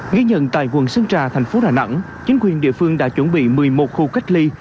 ghi nhận tại quận sơn trà thành phố đà nẵng chính quyền địa phương đã chuẩn bị một mươi một khu cách ly